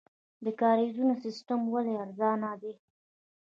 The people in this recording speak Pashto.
د کاریزونو سیستم ولې ارزانه دی؟